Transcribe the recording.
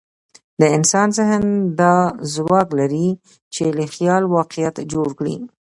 د انسان ذهن دا ځواک لري، چې له خیال واقعیت جوړ کړي.